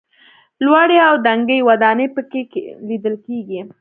لوړې او دنګې ودانۍ په کې لیدل کېږي.